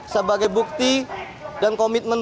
sebagai bukti dan komitmen